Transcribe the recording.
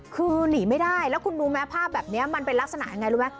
คือหนีไม่ได้แล้วคุณรู้ไหมภาพแบบนี้มันเป็นลักษณะยังไงรู้ไหม